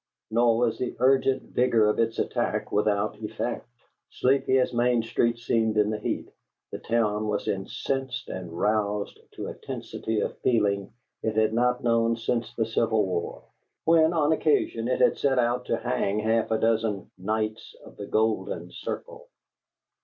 Nor was the urgent vigor of its attack without effect. Sleepy as Main Street seemed in the heat, the town was incensed and roused to a tensity of feeling it had not known since the civil war, when, on occasion, it had set out to hang half a dozen "Knights of the Golden Circle."